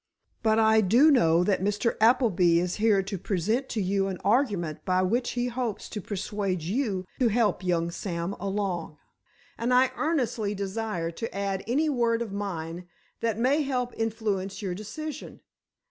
But I do know that Mr. Appleby is here to present to you an argument by which he hopes to persuade you to help young Sam along—and I earnestly desire to add any word of mine that may help influence your decision.